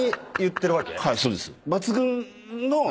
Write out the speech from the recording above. はいそうです。